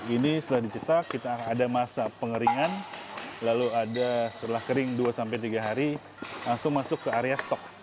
ini setelah dicetak kita ada masa pengeringan lalu ada setelah kering dua tiga hari langsung masuk ke area stok